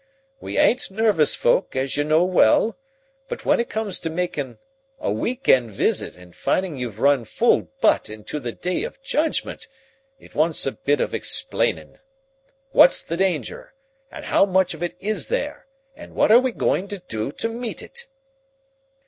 We ain't nervous folk, as you know well; but when it comes to makin' a week end visit and finding you've run full butt into the Day of Judgment, it wants a bit of explainin'. What's the danger, and how much of it is there, and what are we goin' to do to meet it?"